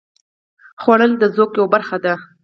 خوړل د ذوق یوه برخه ده